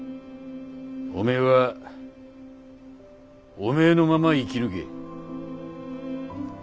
おめえはおめえのまま生き抜け。